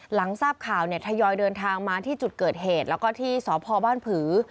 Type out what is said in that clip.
หลังทราบข่าวเนี่ยทยอยเดินทางมาที่จุดเกิดเหตุแล้วก็ที่สพบ้านผือ